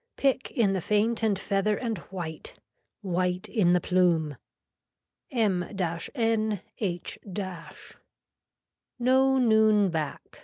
Pick in the faint and feather and white. White in the plume. M N H . No noon back.